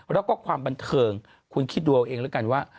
แล้วก็ความบันเทิงคุณคิดดูเอาเองแล้วกันว่า